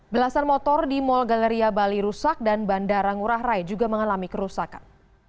belasan motor di mall galeria bali rusak dan bandara ngurah rai juga mengalami kerusakan